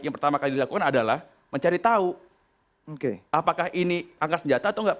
yang pertama kali dilakukan adalah mencari tahu apakah ini angkat senjata atau enggak